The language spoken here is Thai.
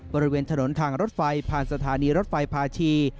บริเวณถนนทางรถไฟผ่านสถานีรถไฟพาชี